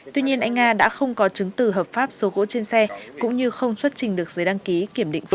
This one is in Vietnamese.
tuy nhiên anh nga đã không có chứng từ hợp pháp số gỗ trên xe cũng như không xuất trình được giấy đăng ký kiểm định